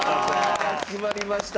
決まりました！